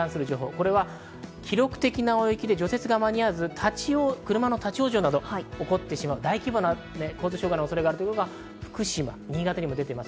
これは記録的な大雪で除雪が間に合わず、車の立ち往生などが起こってしまう、大規模な交通障害の恐れがあるというのが福島と新潟に出ています。